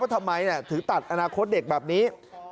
ทำไมถึงตัดอนาคตเด็กแบบนี้